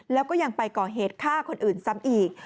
แล้วก็ยังไปก่อเหตุฆ่าคนอื่นซ้ำอีก